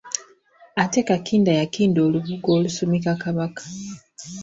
Ate Kakinda y'akinda olubugo olusumika Kabaka.